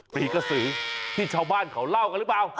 ตีกระสือที่ชาวบ้านเขาเล่ากันหรือเปล่า